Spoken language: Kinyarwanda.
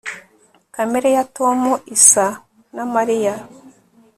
Kamere ya Tom isa na Mariya